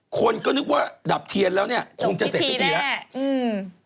คนก็นึกว่าดับเทียนแล้วคงจะเสร็จพิธีแล้ว